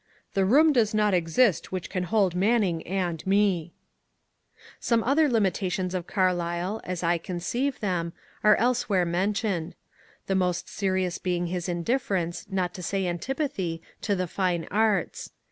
" The room does not exist which can hold Manning and me I " Some other limitations of Carlyle, as I conceive them, are elsewhere mentioned, — the most serious perhaps being his in difference, not to say antipathy, to the fine arts.